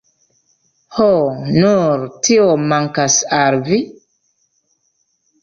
Ho, nur tio mankas al vi!